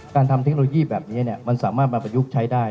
ทำเทคโนโลยีแบบนี้มันสามารถมาประยุกต์ใช้ได้